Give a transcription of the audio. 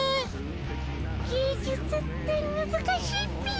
芸術ってむずかしいっピ。